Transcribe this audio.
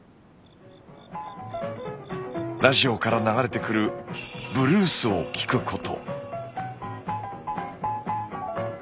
ラジオから流れてくるブルースを聴くこと。